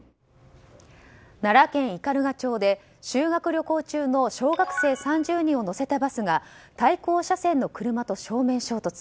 奈良県斑鳩町で修学旅行中の小学生３０人を乗せたバスが対向車線の車と正面衝突。